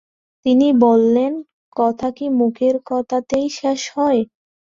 তিনি বললেন, কথা কি মুখের কথাতেই শেষ হয়?